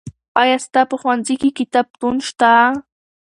آیا ستا په ښوونځي کې کتابتون شته؟